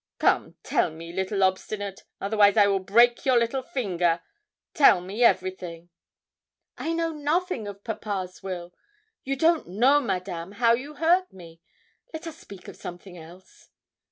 Come tell me, little obstinate, otherwise I will break your little finger. Tell me everything.' 'I know nothing of papa's will. You don't know, Madame, how you hurt me. Let us speak of something else.'